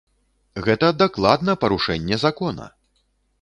Гэта дакладна парушэнне закона!